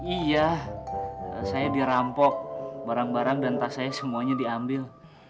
iya saya dirampok barang barang dan tas saya semuanya diambil